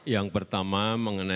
yang pertama mengenalikan